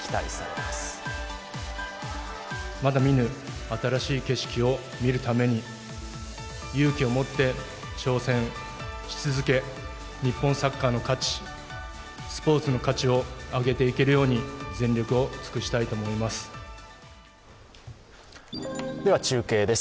まだ見ぬ新しい景色を見るために勇気を持って、挑戦し続け日本サッカーの価値スポーツの価値を上げていけるように全力を尽くしたいと思います。